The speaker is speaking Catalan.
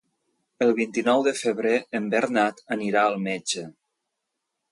El vint-i-nou de febrer en Bernat anirà al metge.